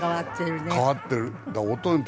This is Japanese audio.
変わってるね。